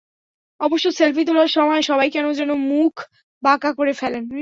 অবশ্য সেলফি তোলার সময়ও সবাই কেন যেন মুখ বাঁকা করে ফেলেন।